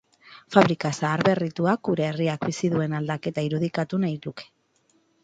Fabrika zaharberrituak, gure herriak bizi duen aldaketa irudikatu nahi luke.